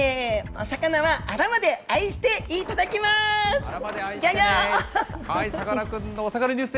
お魚はあらまで愛していただきます。